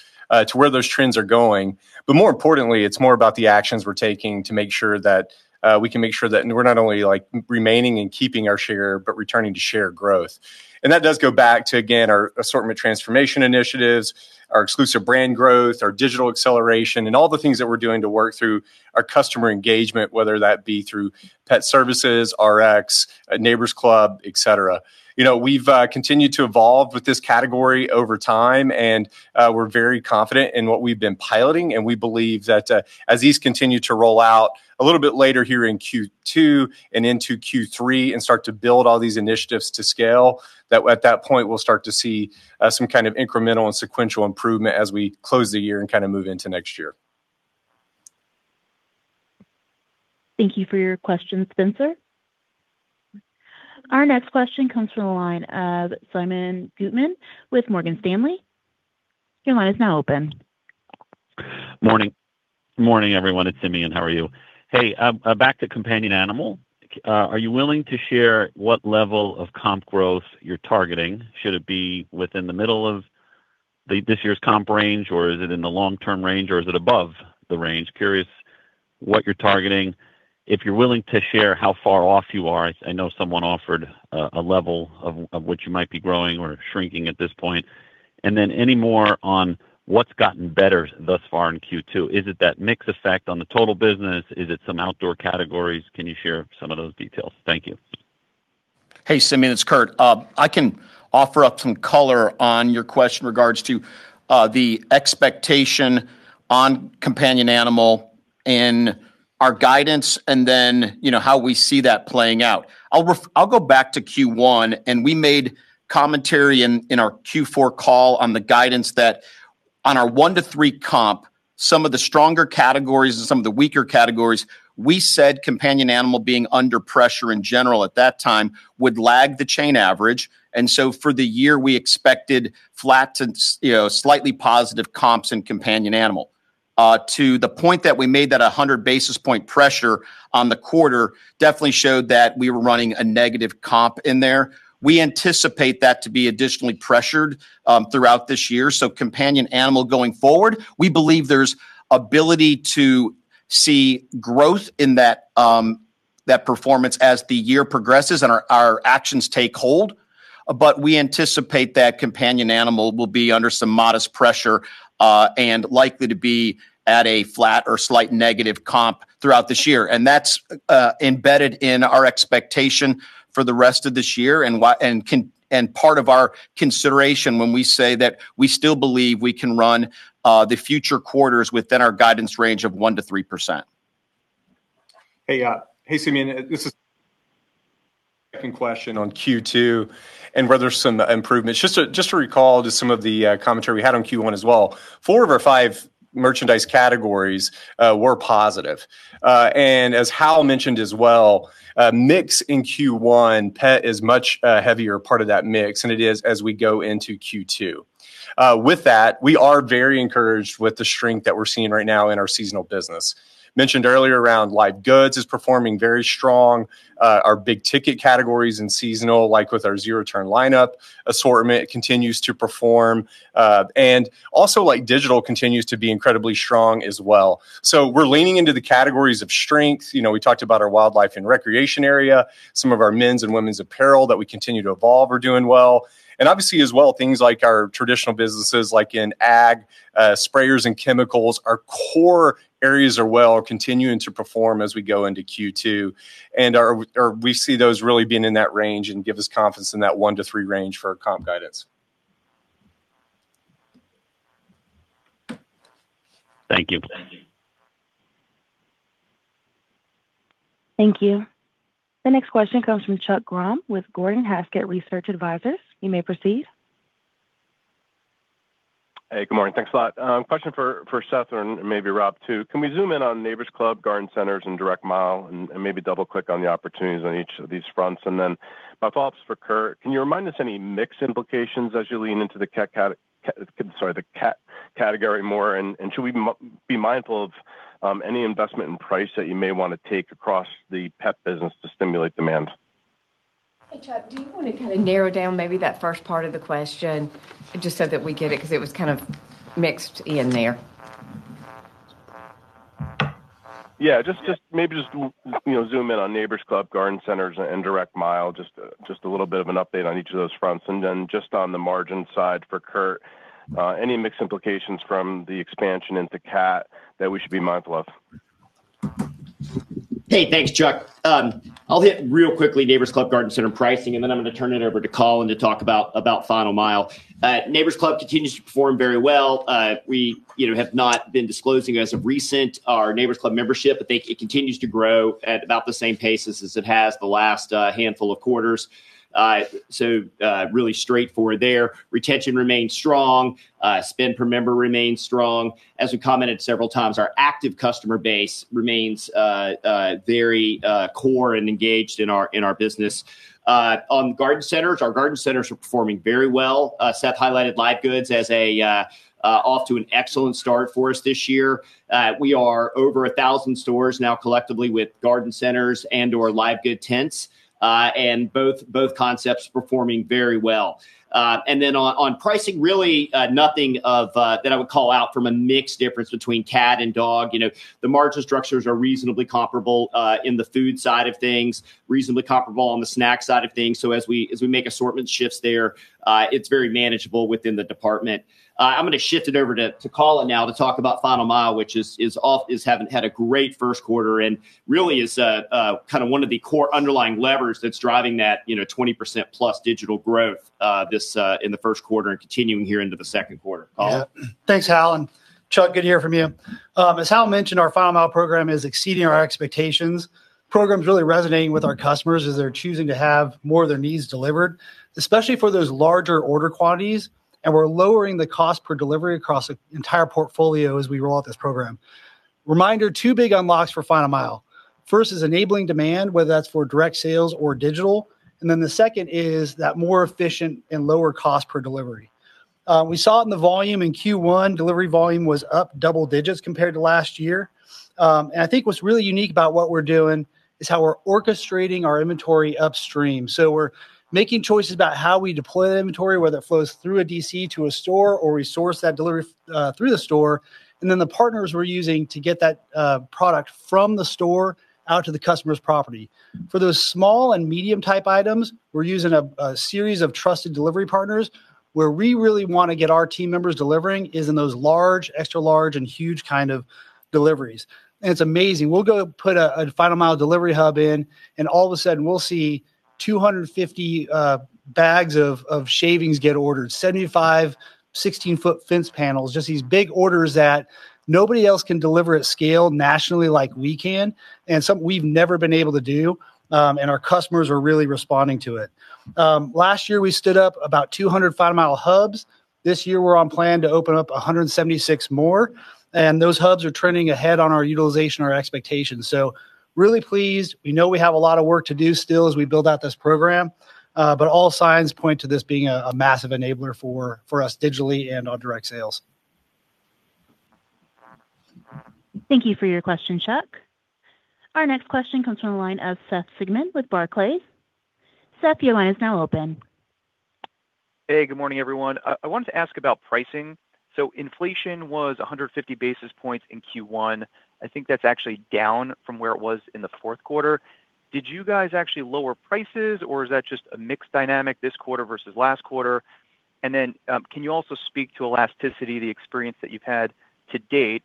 to where those trends are going. More importantly, it's more about the actions we're taking to make sure that we can make sure that we're not only remaining and keeping our share, but returning to share growth. That does go back to, again, our assortment transformation initiatives, our exclusive brand growth, our digital acceleration, and all the things that we're doing to work through our customer engagement, whether that be through pet services, Rx, Neighbor's Club, et cetera. We've continued to evolve with this category over time, and we're very confident in what we've been piloting, and we believe that as these continue to roll out a little bit later here in Q2 and into Q3 and start to build all these initiatives to scale, that at that point, we'll start to see some kind of incremental and sequential improvement as we close the year and kind of move into next year. Thank you for your question, Spencer. Our next question comes from the line of Simeon Gutman with Morgan Stanley. Your line is now open. Morning, everyone. It's Simeon. How are you? Hey, back to companion animal. Are you willing to share what level of comp growth you're targeting? Should it be within the middle of this year's comp range, or is it in the long-term range, or is it above the range? Curious what you're targeting, if you're willing to share how far off you are. I know someone offered a level of which you might be growing or shrinking at this point. Then any more on what's gotten better thus far in Q2. Is it that mix effect on the total business? Is it some outdoor categories? Can you share some of those details? Thank you. Hey, Simeon, it's Kurt. I can offer up some color on your question in regards to the expectation on companion animal and our guidance, and then how we see that playing out. I'll go back to Q1, and we made commentary in our Q4 call on the guidance that on our 1-3 comp, some of the stronger categories and some of the weaker categories, we said companion animal being under pressure in general at that time would lag the chain average. For the year, we expected flat to slightly positive comps in companion animal. To the point that we made that 100 basis point pressure on the quarter definitely showed that we were running a negative comp in there. We anticipate that to be additionally pressured throughout this year. Companion animal going forward, we believe there's ability to see growth in that performance as the year progresses and our actions take hold. We anticipate that companion animal will be under some modest pressure, and likely to be at a flat or slight negative comp throughout this year. That's embedded in our expectation for the rest of this year and part of our consideration when we say that we still believe we can run the future quarters within our guidance range of 1%-3%. Hey, Simeon, this is the second question on Q2 and whether there's some improvements. Just to recall some of the commentary we had on Q1 as well, four of our five merchandise categories were positive. As Hal mentioned as well, mix in Q1, pet is a much heavier part of that mix than it is as we go into Q2. With that, we are very encouraged with the strength that we're seeing right now in our seasonal business. As mentioned earlier around live goods is performing very strong. Our big-ticket categories in seasonal, like with our zero-turn lineup assortment continues to perform. Digital continues to be incredibly strong as well. We're leaning into the categories of strength. We talked about our wildlife and recreation area. Some of our men's and women's apparel that we continue to evolve are doing well, and obviously as well, things like our traditional businesses like in ag, sprayers and chemicals, our core areas are well, continuing to perform as we go into Q2. We see those really being in that 1%-3% range and give us confidence in that 1%-3% range for our comp guidance. Thank you. Thank you. The next question comes from Chuck Grom with Gordon Haskett Research Advisors. You may proceed. Hey, good morning. Thanks a lot. Question for Seth and maybe Rob too. Can we zoom in on Neighbor's Club, Garden Centers, and Final Mile, and maybe double-click on the opportunities on each of these fronts? Then my follow-up's for Kurt. Can you remind us of any mix implications as you lean into the cat category more? Should we be mindful of any investment in price that you may want to take across the pet business to stimulate demand? Hey, Chuck, do you want to kind of narrow down maybe that first part of the question just so that we get it? Because it was kind of mixed in there. Yeah. Maybe just zoom in on Neighbor's Club, Garden Centers, and Final Mile, just a little bit of an update on each of those fronts. Just on the margin side for Kurt, any mix implications from the expansion into cat that we should be mindful of? Hey, thanks, Chuck. I'll hit real quickly Neighbor's Club, Garden Center pricing, and then I'm going to turn it over to Colin to talk about Final Mile. Neighbor's Club continues to perform very well. We have not been disclosing as of recent our Neighbor's Club membership. I think it continues to grow at about the same pace as it has the last handful of quarters. Really straightforward there. Retention remains strong. Spend per member remains strong. As we commented several times, our active customer base remains very core and engaged in our business. On garden centers, our garden centers are performing very well. Seth highlighted live goods as off to an excellent start for us this year. We are over 1,000 stores now collectively with garden centers and/or live goods tents, and both concepts performing very well. On pricing, really nothing that I would call out from a mix difference between cat and dog. The margin structures are reasonably comparable, in the food side of things, reasonably comparable on the snack side of things. As we make assortment shifts there, it's very manageable within the department. I'm going to shift it over to Colin now to talk about Final Mile, which has had a great first quarter and really is kind of one of the core underlying levers that's driving that 20%+ digital growth in the first quarter and continuing here into the second quarter. Colin? Yeah. Thanks, Hal, and Chuck, good to hear from you. As Hal mentioned, our Final Mile program is exceeding our expectations. Program's really resonating with our customers as they're choosing to have more of their needs delivered, especially for those larger order quantities. We're lowering the cost per delivery across the entire portfolio as we roll out this program. Reminder, two big unlocks for Final Mile. First is enabling demand, whether that's for direct sales or digital. Then the second is that more efficient and lower cost per delivery. We saw it in the volume in Q1, delivery volume was up double digits compared to last year. I think what's really unique about what we're doing is how we're orchestrating our inventory upstream. We're making choices about how we deploy the inventory, whether it flows through a DC to a store or we source that delivery through the store, the partners we're using to get that product from the store out to the customer's property. For those small and medium type items, we're using a series of trusted delivery partners. Where we really want to get our team members delivering is in those large, extra large, and huge kind of deliveries. It's amazing. We'll go put a Final Mile delivery hub in, and all of a sudden, we'll see 250 bags of shavings get ordered, 75 16-foot fence panels, just these big orders that nobody else can deliver at scale nationally like we can, and something we've never been able to do, and our customers are really responding to it. Last year, we stood up about 200 Final Mile hubs. This year, we're on plan to open up 176 more, and those hubs are trending ahead on our utilization, our expectations. Really pleased. We know we have a lot of work to do still as we build out this program, but all signs point to this being a massive enabler for us digitally and on direct sales. Thank you for your question, Chuck. Our next question comes from the line of Seth Sigman with Barclays. Seth, your line is now open. Hey, good morning, everyone. I wanted to ask about pricing. Inflation was 150 basis points in Q1. I think that's actually down from where it was in the fourth quarter. Did you guys actually lower prices, or is that just a mixed dynamic this quarter versus last quarter? Can you also speak to elasticity, the experience that you've had to date?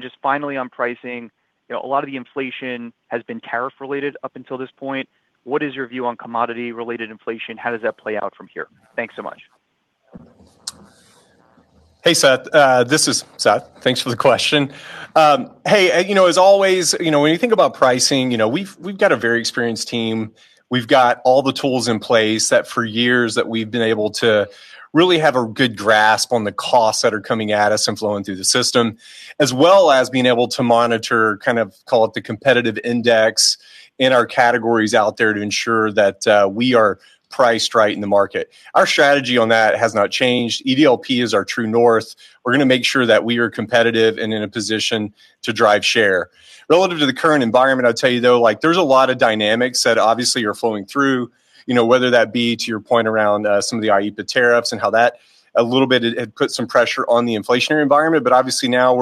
Just finally on pricing, a lot of the inflation has been tariff related up until this point. What is your view on commodity-related inflation? How does that play out from here? Thanks so much. Hey, Seth. This is Seth. Thanks for the question. Hey, as always, when you think about pricing, we've got a very experienced team. We've got all the tools in place that for years that we've been able to really have a good grasp on the costs that are coming at us and flowing through the system, as well as being able to monitor, kind of call it the competitive index in our categories out there to ensure that we are priced right in the market. Our strategy on that has not changed. EDLP is our true north. We're going to make sure that we are competitive and in a position to drive share. Relative to the current environment, I'll tell you, though, there's a lot of dynamics that obviously are flowing through, whether that be to your point around some of the IEEPA tariffs and how that a little bit had put some pressure on the inflationary environment. Obviously now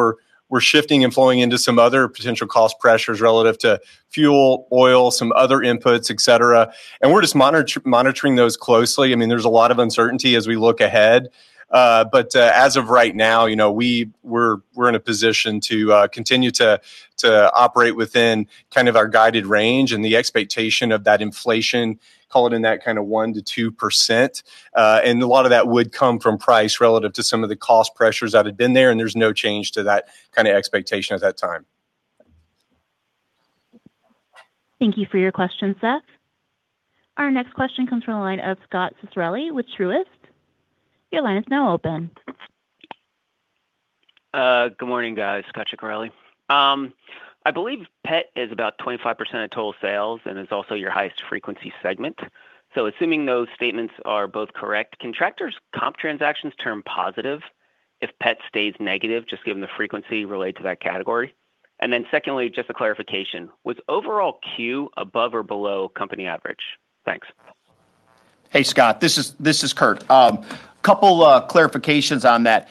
we're shifting and flowing into some other potential cost pressures relative to fuel, oil, some other inputs, et cetera. We're just monitoring those closely. I mean, there's a lot of uncertainty as we look ahead. As of right now, we're in a position to continue to operate within kind of our guided range and the expectation of that inflation, call it in that kind of 1%-2%. A lot of that would come from price relative to some of the cost pressures that had been there, and there's no change to that kind of expectation at that time. Thank you for your question, Seth. Our next question comes from the line of Scot Ciccarelli with Truist. Your line is now open. Good morning, guys. Scot Ciccarelli. I believe pet is about 25% of total sales and is also your highest frequency segment. Assuming those statements are both correct, can Tractor's comp transactions turn positive if pet stays negative, just given the frequency related to that category? And then secondly, just a clarification, was overall CUE above or below company average? Thanks. Hey, Scot. This is Kurt. Couple clarifications on that.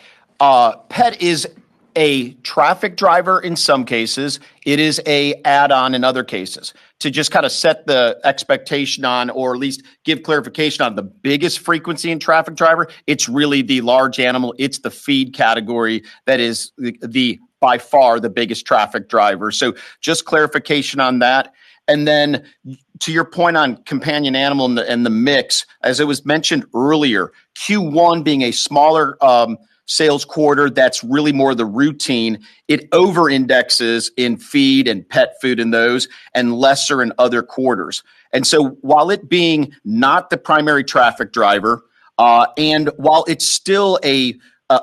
Pet is a traffic driver in some cases, it is an add-on in other cases. To just kind of set the expectation on, or at least give clarification on the biggest frequency and traffic driver, it's really the large animal, it's the feed category that is by far the biggest traffic driver. Just clarification on that. Then to your point on companion animal and the mix, as it was mentioned earlier, Q1 being a smaller sales quarter, that's really more the routine. It over indexes in feed and pet food in those and lesser in other quarters. While it being not the primary traffic driver, and while it's still a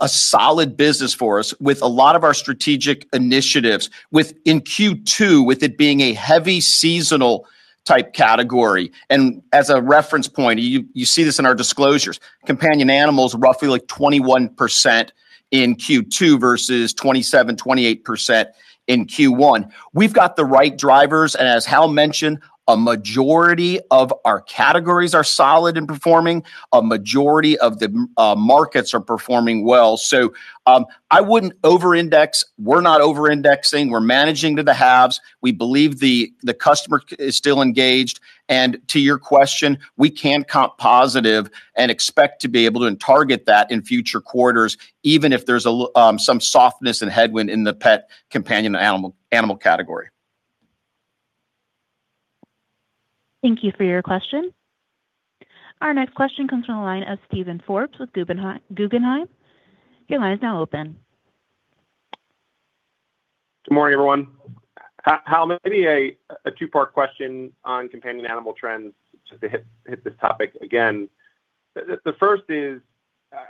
solid business for us with a lot of our strategic initiatives, in Q2, with it being a heavy seasonal type category, and as a reference point, you see this in our disclosures, companion animals roughly like 21% in Q2 versus 27%-28% in Q1. We've got the right drivers, and as Hal mentioned, a majority of our categories are solid in performing. A majority of the markets are performing well. I wouldn't over-index. We're not over-indexing. We're managing to the halves. We believe the customer is still engaged, and to your question, we can comp positive and expect to be able to target that in future quarters, even if there's some softness and headwind in the pet companion animal category. Thank you for your question. Our next question comes from the line of Steven Forbes with Guggenheim. Your line is now open. Good morning, everyone. Hal, maybe a two-part question on companion animal trends just to hit this topic again. The first is,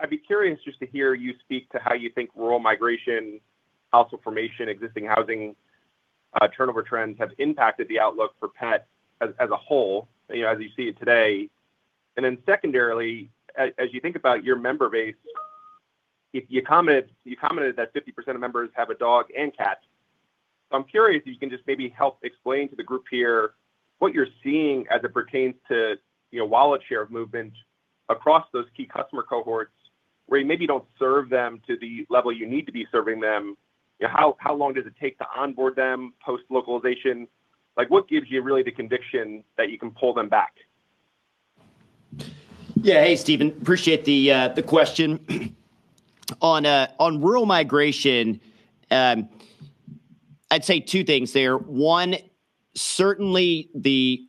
I'd be curious just to hear you speak to how you think rural migration, household formation, existing housing turnover trends have impacted the outlook for pet as a whole, as you see it today. Secondarily, as you think about your member base, you commented that 50% of members have a dog and cat. I'm curious if you can just maybe help explain to the group here what you're seeing as it pertains to wallet share of movement across those key customer cohorts where you maybe don't serve them to the level you need to be serving them. How long does it take to onboard them post localization? What gives you really the conviction that you can pull them back? Yeah. Hey, Steven. Appreciate the question. On rural migration, I'd say two things there. One, certainly the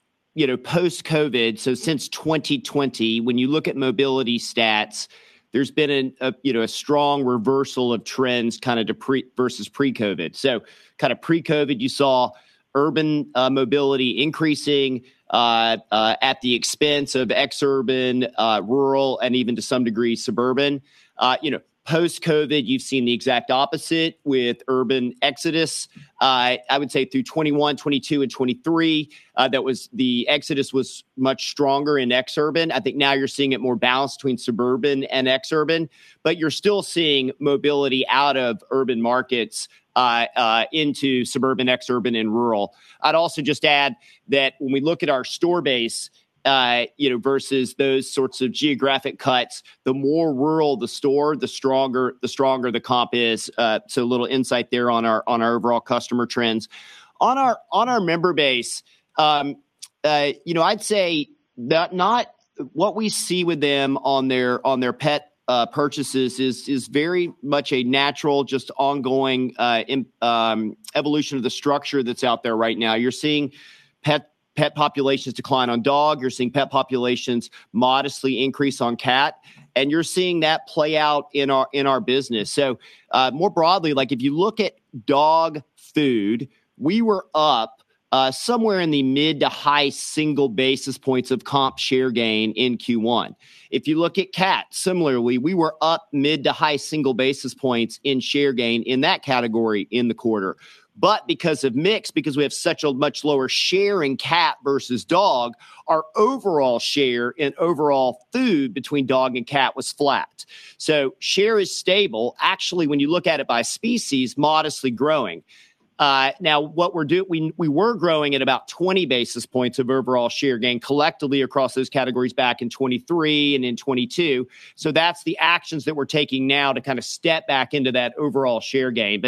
post-COVID, so since 2020, when you look at mobility stats, there's been a strong reversal of trends kind of versus pre-COVID. Kind of pre-COVID, you saw urban mobility increasing at the expense of ex-urban, rural, and even to some degree, suburban. Post-COVID, you've seen the exact opposite with urban exodus. I would say through 2021, 2022, and 2023, the exodus was much stronger in ex-urban. I think now you're seeing it more balanced between suburban and ex-urban, but you're still seeing mobility out of urban markets into suburban, ex-urban, and rural. I'd also just add that when we look at our store base versus those sorts of geographic cuts, the more rural the store, the stronger the comp is. A little insight there on our overall customer trends. On our member base. I'd say what we see with them on their pet purchases is very much a natural, just ongoing evolution of the structure that's out there right now. You're seeing pet populations decline on dog, you're seeing pet populations modestly increase on cat, and you're seeing that play out in our business. More broadly, if you look at dog food, we were up somewhere in the mid-to high-single basis points of comp share gain in Q1. If you look at cat, similarly, we were up mid- to high-single basis points in share gain in that category in the quarter. Because of mix, because we have such a much lower share in cat versus dog, our overall share in overall food between dog and cat was flat. Share is stable, actually, when you look at it by species, modestly growing. Now, we were growing at about 20 basis points of overall share gain collectively across those categories back in 2023 and in 2022. That's the actions that we're taking now to kind of step back into that overall share gain.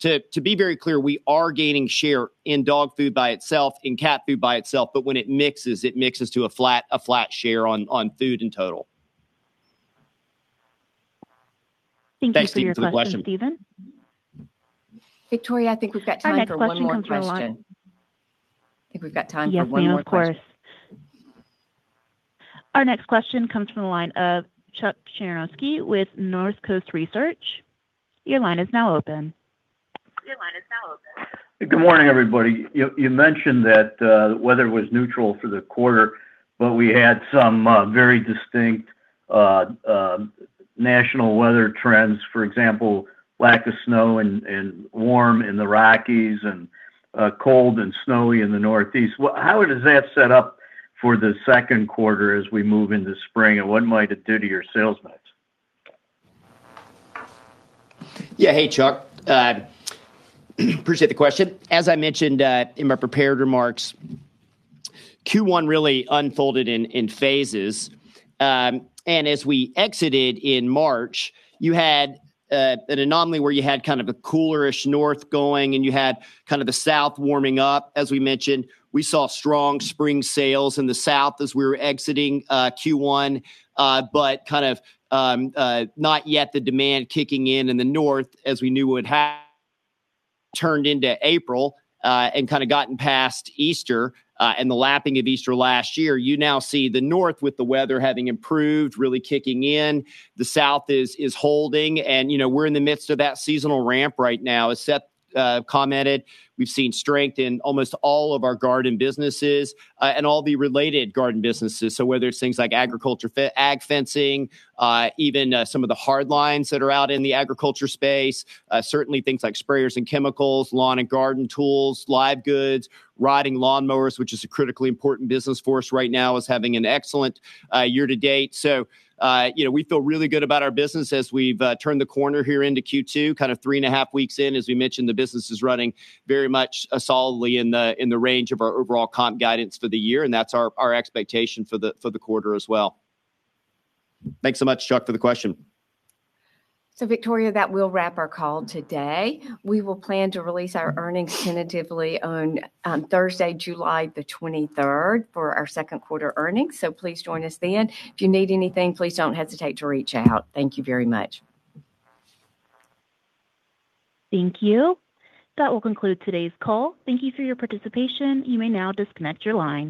To be very clear, we are gaining share in dog food by itself, in cat food by itself, but when it mixes, it mixes to a flat share on food in total. Thank you for your question, Steven. Victoria, I think we've got time for one more question. Our next question comes from the line. I think we've got time for one more question. Yes, ma'am. Of course. Our next question comes from the line of Chuck Cerankosky with North Coast Research. Your line is now open. Good morning, everybody. You mentioned that the weather was neutral for the quarter, but we had some very distinct national weather trends. For example, lack of snow and warm in the Rockies and cold and snowy in the Northeast. How does that set up for the second quarter as we move into spring, and what might it do to your sales mix? Yeah. Hey, Chuck. Appreciate the question. As I mentioned in my prepared remarks, Q1 really unfolded in phases. As we exited in March, you had an anomaly where you had kind of a cooler-ish North going and you had kind of the South warming up, as we mentioned. We saw strong spring sales in the South as we were exiting Q1. Kind of not yet the demand kicking in in the North, as we knew would happen, turned into April, and kind of gotten past Easter, and the lapping of Easter last year. You now see the North with the weather having improved, really kicking in. The South is holding and we're in the midst of that seasonal ramp right now. As Seth commented, we've seen strength in almost all of our garden businesses and all the related garden businesses. Whether it's things like agriculture, ag fencing, even some of the hard lines that are out in the agriculture space, certainly things like sprayers and chemicals, lawn and garden tools, live goods, riding lawn mowers, which is a critically important business for us right now, is having an excellent year to date. We feel really good about our business as we've turned the corner here into Q2. Kind of three and a half weeks in, as we mentioned, the business is running very much solidly in the range of our overall comp guidance for the year, and that's our expectation for the quarter as well. Thanks so much, Chuck, for the question. Victoria, that will wrap our call today. We will plan to release our earnings tentatively on Thursday, July the 23rd for our second quarter earnings. Please join us then. If you need anything, please don't hesitate to reach out. Thank you very much. Thank you. That will conclude today's call. Thank you for your participation. You may now disconnect your line.